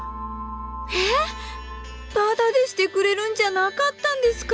ええタダでしてくれるんじゃなかったんですか。